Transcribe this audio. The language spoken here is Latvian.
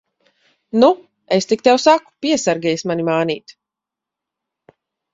Nu, es tik tev saku, piesargies mani mānīt!